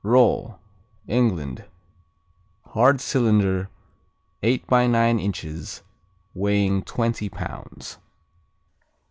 Roll England Hard cylinder, eight by nine inches, weighing twenty pounds.